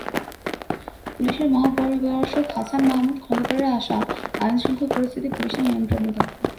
পুলিশের মহাপরিদর্শক হাসান মাহমুদ খন্দকারের আশা, আইনশৃঙ্খলা পরিস্থিতি পুলিশের নিয়ন্ত্রণে থাকবে।